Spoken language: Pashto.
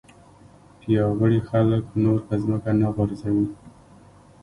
پیاوړي خلک نور په ځمکه نه غورځوي.